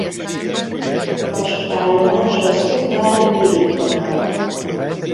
Vasútállomás az Ungvár–Lviv vonalon.